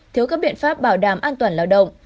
thiếu các biện pháp bảo đảm an toàn lao động